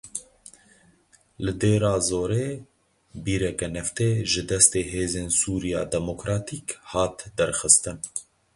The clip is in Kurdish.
Li Dêrazorê bîreke neftê ji destê Hêzên Sûriya Demokratîk hat derxistin.